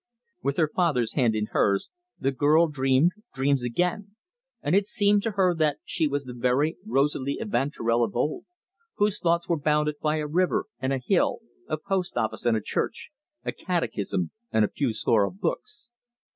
With her father's hand in hers the girl dreamed dreams again, and it seemed to her that she was the very Rosalie Evanturel of old, whose thoughts were bounded by a river and a hill, a post office and a church, a catechism and a few score of books.